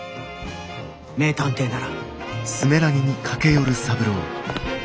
名探偵なら。